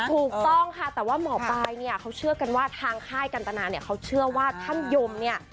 ถูกต้องค่ะแต่ว่าหมอปลายเนี่ยเขาเชื่อกันว่าทางค่ายกันตนาเนี่ยเขาเชื่อว่าท่านยมเนี่ย